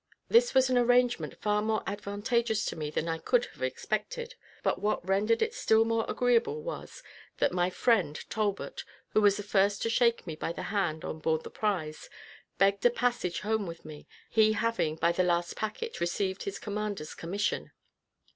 This was an arrangement far more advantageous to me than I could have expected; but what rendered it still more agreeable was, that my friend Talbot, who was the first to shake me by the hand on board the prize, begged a passage home with me, he having, by the last packet, received his commander's commission.